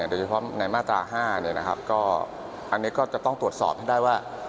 โดยเฉพาะในมาตรา๕อันนี้ก็จะต้องตรวจสอบให้ได้ว่า